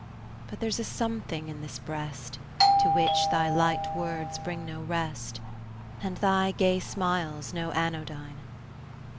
But there's a something in this breast, To which thy light words bring no rest. And thy gay smiles no anodyne.